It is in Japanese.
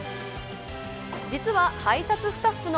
実は、配達スタッフの